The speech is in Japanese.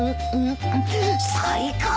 最高！